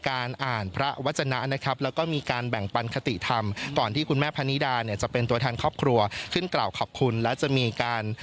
ตั้งใจนำแต่ขอบคุณคุณกระวังในวันนี้เลย